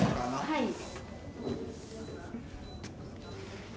はい。